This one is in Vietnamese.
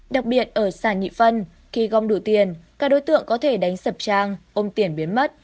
đặc biệt ở sản nhị phân khi gom đủ tiền các đối tượng có thể đánh sập trang ôm tiền biến mất